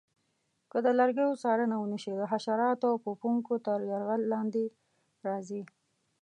که د لرګیو څارنه ونه شي د حشراتو او پوپنکو تر یرغل لاندې راځي.